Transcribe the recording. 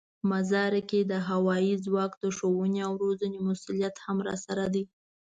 مزار کې د هوايي ځواک د ښوونې او روزنې مسوولیت هم راسره دی.